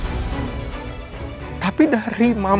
aku taplah karena maaf saja